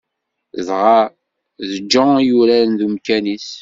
Dɣa d Jean i yuraren deg umkan-is.